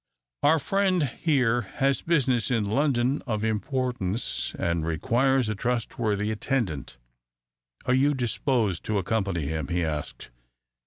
"Our friend here has business in London of importance, and requires a trustworthy attendant. Are you disposed to accompany him?" he asked.